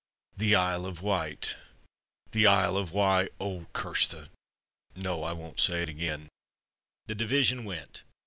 '' The Isle of Wight ! The Isle of Wi— oh, curse the — no, I won't say it again. The division went.